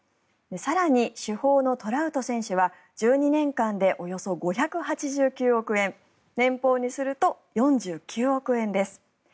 更に、主砲のトラウト選手は１２年間でおよそ５８９億円年俸にすると４９億円です。